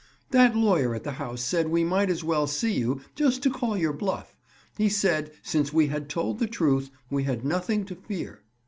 "That lawyer at the house said we might as well see you, just to call your bluff. He said, since we had told the truth, we had nothing to fear."